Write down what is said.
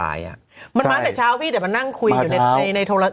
มันมาจากเช้าพี่จะมาขยับอยู่ในรถ